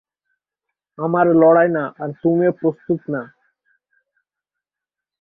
আমার লড়াই না, আর তুমিও প্রস্তুত না।